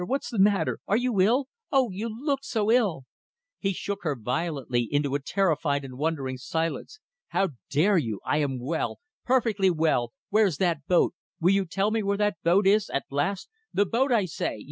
What's the matter? Are you ill? ... Oh! you look so ill ..." He shook her violently into a terrified and wondering silence. "How dare you! I am well perfectly well. ... Where's that boat? Will you tell me where that boat is at last? The boat, I say